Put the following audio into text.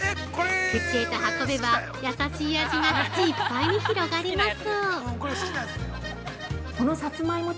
口へと運べば優しい味が口いっぱいに広がります。